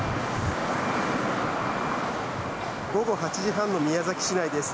午後８時半の宮崎市内です。